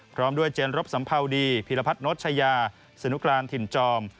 พร้อมด้วยเจนรบสัมภาวดีพีรพัฒนชายาสนุกรานถิ่นจอม